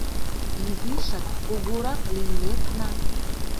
Изишак кугурак лиймекна, —